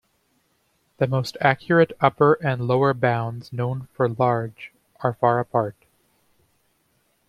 The most accurate upper and lower bounds known for large are far apart.